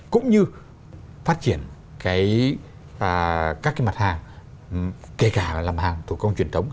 cũng như phát triển cái các cái mặt hàng kể cả là mặt hàng tổ công truyền thống